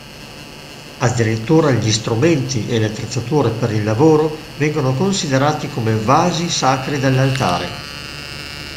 Addirittura, gli strumenti e le attrezzature per il lavoro vengono considerati come vasi sacri dell'altare.